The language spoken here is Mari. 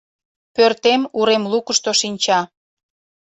— Пӧртем урем лукышто шинча.